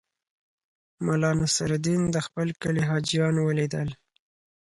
ملا نصرالدین د خپل کلي حاجیان ولیدل.